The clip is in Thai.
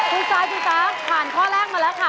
คุณซายคุณตาผ่านข้อแรกมาแล้วค่ะ